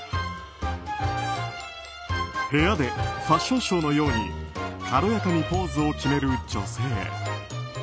部屋でファッションショーのように軽やかにポーズを決める女性。